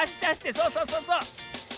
そうそうそうそう。